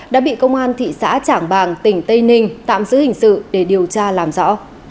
đã bị công an thị xã trảng bàng tỉnh tây ninh tạm giữ hình sự để điều tra làm rõ